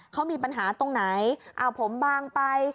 เขามีปัญหาตรงไหนเอาผมบางไป